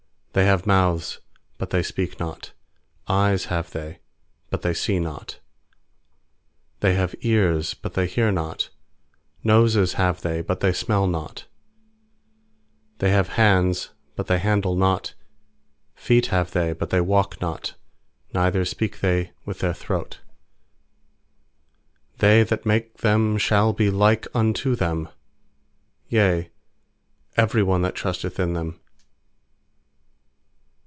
sThey have mouths, but they speak not; Eyes have they, but they see not; 6They have ears, but they hear not; Noses have they, but they smell not; 7They have hands, but they handle not; Feet have they, but they walk not; Neither speak they With their throat. They that make them shall be like unto them; Yea, every one that trusteth in them.